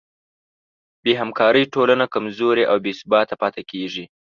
بېهمکارۍ ټولنه کمزورې او بېثباته پاتې کېږي.